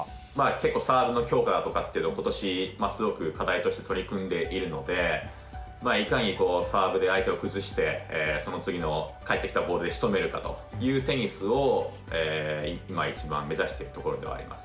結構サーブの強化だとかっていうのを今年すごく課題として取り組んでいるのでいかにサーブで相手を崩してその次の返ってきたボールでしとめるかというテニスを今一番目指しているところではあります。